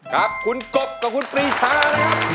ครับคุณกบกับคุณปริชา